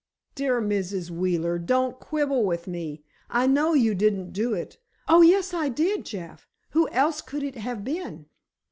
"Dear Mrs. Wheeler, don't quibble with me. I know you didn't do it——" "Oh, yes, I did, Jeff. Who else could it have been?